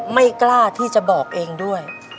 ไม่กล้าที่จะบอกเองด้วย